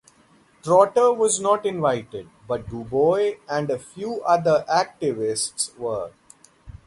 Trotter was not invited, but Du Bois and a few other activists were.